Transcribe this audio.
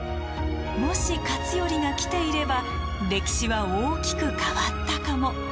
もし勝頼が来ていれば歴史は大きく変わったかも。